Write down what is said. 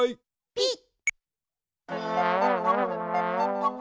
ピッ！